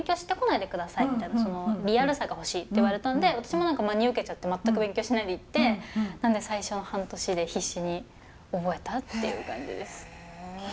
そのリアルさが欲しいって言われたんで私も真に受けちゃって全く勉強しないで行ってなので最初の半年で必死に覚えたっていう感じです。